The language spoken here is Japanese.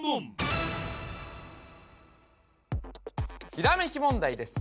ひらめき問題です